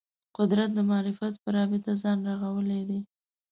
قدرت د معرفت په رابطه ځان رغولی دی